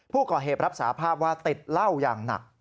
ผู้ก่อเหตุรับสาภาพว่าติดเหล้าอย่างหนัก